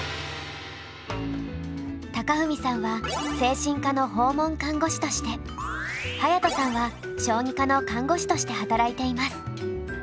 貴文さんは精神科の訪問看護師として隼人さんは小児科の看護師として働いています。